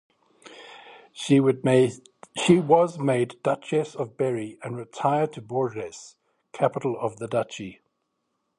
She was made Duchess of Berry and retired to Bourges, capital of the duchy.